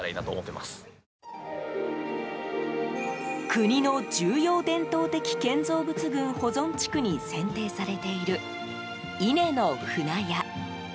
国の重要伝統的建造物群保存地区に選定されている伊根の舟屋。